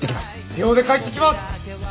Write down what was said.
秒で帰ってきます！